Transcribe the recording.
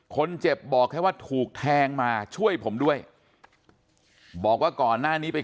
คนเจ็บบอกแค่ว่าถูกแทงมาช่วยผมด้วยบอกว่าก่อนหน้านี้ไป